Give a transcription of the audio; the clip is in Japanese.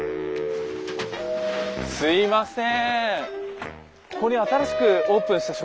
すいません！